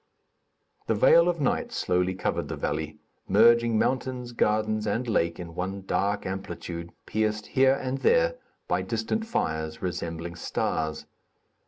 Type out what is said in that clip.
The veil of night slowly covered the valley, merging mountains, gardens and lake in one dark amplitude, pierced here and there by distant fires, resembling stars.